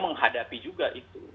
menghadapi juga itu